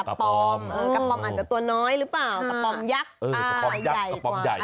กระปอมอาจจะตัวน้อยหรือเปล่ากระปอมยักษ์